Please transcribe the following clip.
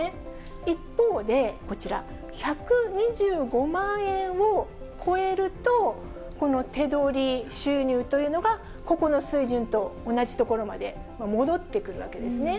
一方で、こちら、１２５万円を超えると、この手取り収入というのが、ここの水準と同じところまで戻ってくるわけですね。